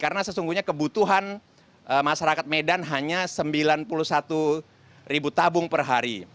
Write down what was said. karena sesungguhnya kebutuhan masyarakat medan hanya sembilan puluh satu ribu tabung per hari